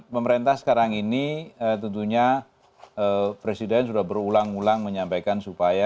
pemerintah sekarang ini tentunya presiden sudah berulang ulang menyampaikan supaya